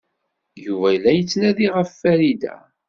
Yuba la yettnadi ɣef Farida.